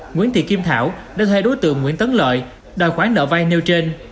nguyễn thị kim thảo đã thuê đối tượng nguyễn tấn lợi đòi khoản nợ vay nêu trên